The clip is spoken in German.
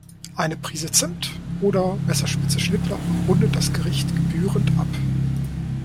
Eine Prise Zimt oder Messerspitze Schnittlauch rundet das Gericht gebührend ab.